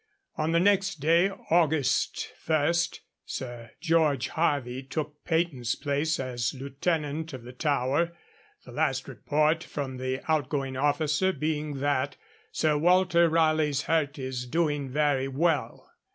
On the next day, August 1, Sir George Harvey took Peyton's place as Lieutenant of the Tower, the last report from the outgoing officer being that 'Sir Walter Raleigh's hurt is doing very well.'